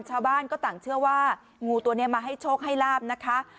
ชาวบ้านก็ต่างเชื่อว่างูตัวนี้มาให้โชคให้ลาบนะคะ